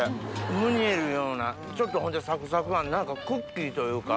ムニエルのようなちょっとほんでサクサクはクッキーというか。